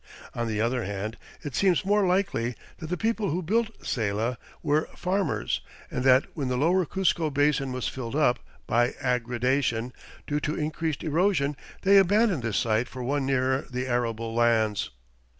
On the other hand, it seems more likely that the people who built Saylla were farmers and that when the lower Cuzco Basin was filled up by aggradation, due to increased erosion, they abandoned this site for one nearer the arable lands.